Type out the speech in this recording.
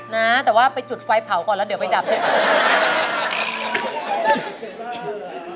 นะแต่ว่าไปจุดไฟเผาก่อนแล้วเดี๋ยวไปดับด้วย